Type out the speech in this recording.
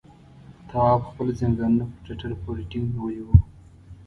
تواب خپل ځنګنونه پر ټټر پورې ټينګ نيولي وو.